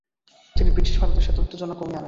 তিনি ব্রিটিশ ভারতের সাথে উত্তেজনা কমিয়ে আনেন।